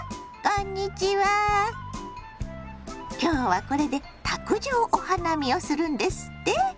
こんにちは今日はこれで卓上お花見をするんですって？